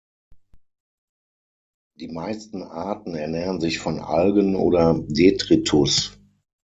Die meisten Arten ernähren sich von Algen oder Detritus.